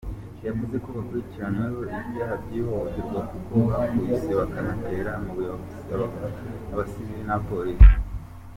Yavuze ko bakurikiranyweho ibyaha by’ihohoterwa kuko bakubise bakanatera amabuye abasivili n’abapolisi.